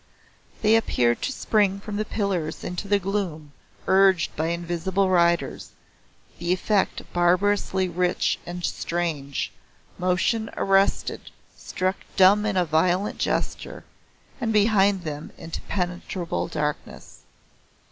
They appeared to spring from the pillars into the gloom urged by invisible riders, the effect barbarously rich and strange motion arrested, struck dumb in a violent gesture, and behind them impenetrable darkness.